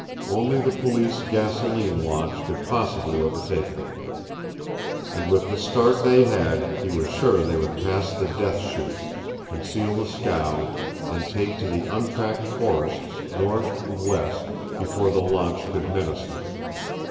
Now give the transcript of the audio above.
Only the Police gasoline launch could possibly overtake them. And with the start they had, he was sure they would pass the Death Chute, conceal the scow, and take to the untracked forests north and west before the launch could menace them.